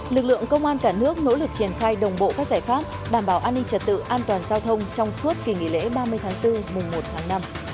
lực lượng công an cả nước nỗ lực triển khai đồng bộ các giải pháp đảm bảo an ninh trật tự an toàn giao thông trong suốt kỳ nghỉ lễ ba mươi tháng bốn mùng một tháng năm